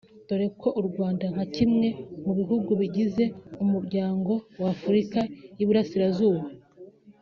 dore ko u Rwanda nka kimwe mu bihugu bigize umuryango wa Afurika y’Iburasirazuba